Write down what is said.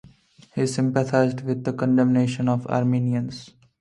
He sympathized with the condemnation of the Arminians.